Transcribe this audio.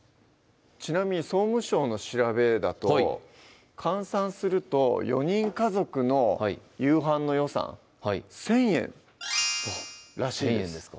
ちなみに総務省の調べだと換算すると４人家族の夕飯の予算１，０００円らしいです